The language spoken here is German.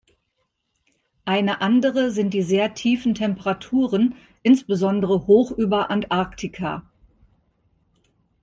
Eine andere sind die sehr tiefen Temperaturen, insbesondere hoch über Antarktika.